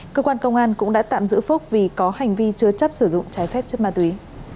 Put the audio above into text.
cơ quan công an cũng đã tạm giữ phúc vì có hành vi chứa chấp sử dụng trái phép chất ma túy